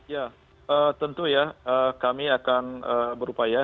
ya tentu ya kami akan berupaya